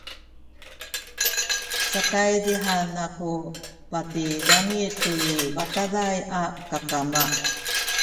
sakaydihan kaku patigami tu i bataday a kakama